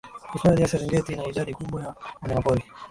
hifadhi ya serengeti ina idadi kubwa ya wanyamapori